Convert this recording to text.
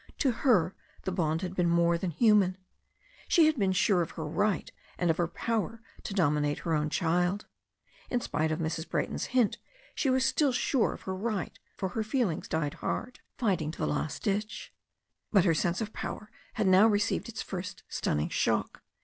To her the bond had been more than human. She had been sure of her right and of her power to dominate her own child. In spite of Mrs. Bra)rton's hint she was still sure of her right, for her feel ings died hard, fighting to the last ditch. But her sense of jpower had now received its first stunning shock.